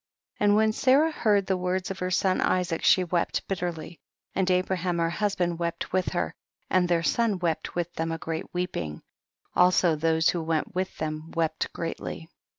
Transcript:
17. And when Sarah heard the words of her son Isaac she wept bitterly, and Abraham her husband wept with her, and their son wept with them a great weeping; also those who went with them wept greatly.